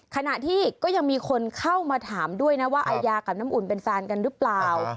ขณะที่ก็ยังมีคนเข้ามาถามด้วยนะว่าอายากับน้ำอุ่นเป็นแฟนกันหรือเปล่า